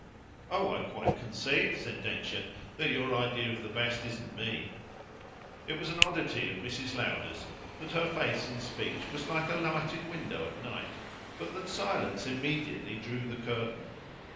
"Oh I quite conceive," said Densher, "that your idea of the best isn't me." It was an oddity of Mrs. Lowder's that her face in speech was like a lighted window at night, but that silence immediately drew the curtain.